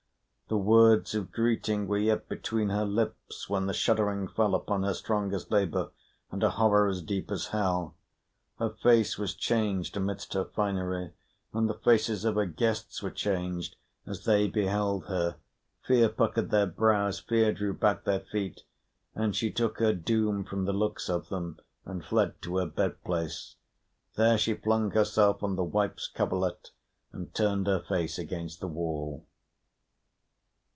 The words of greeting were yet between her lips, when the shuddering fell upon her strong as labour, and a horror as deep as hell. Her face was changed amidst her finery, and the faces of her guests were changed as they beheld her: fear puckered their brows, fear drew back their feet; and she took her doom from the looks of them, and fled to her bed place. There she flung herself on the wife's coverlet, and turned her face against the wall.